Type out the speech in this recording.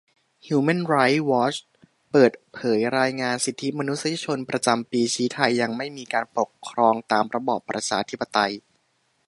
ฮิวแมนไรท์วอทช์เปิดเผยรายงานสิทธิมนุษยชนประจำปี ชี้ไทยยังไม่มีการปกครองตามระบอบประชาธิปไตย